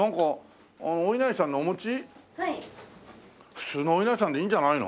普通のおいなりさんでいいんじゃないの？